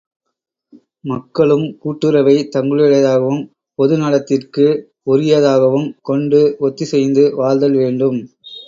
மக்களும் கூட்டுறவை தங்களுடையதாகவும் பொது நலத்திற்க்கு உரியதாகவும் கொண்டு ஒத்திசைந்து வாழ்தல் வேண்டும்.